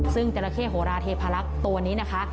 ซึ่งจราเข้โหราเทพาลักษณ์ตัวนี้นะคะ